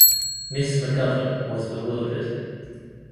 Miss McGovern was bewildered.